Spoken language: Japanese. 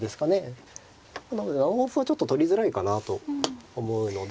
なので７五歩はちょっと取りづらいかなと思うので。